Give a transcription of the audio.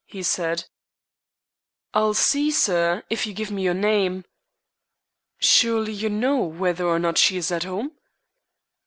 he said. "I'll see sir, if you give me your name." "Surely you know whether or not she is at home?"